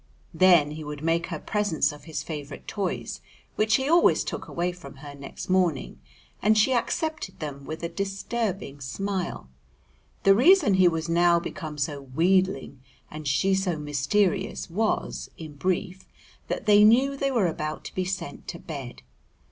Then he would make her presents of his favourite toys (which he always took away from her next morning) and she accepted them with a disturbing smile. The reason he was now become so wheedling and she so mysterious was (in brief) that they knew they were about to be sent to bed.